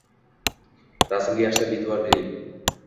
Rasmga yaxshilab e’tibor bering.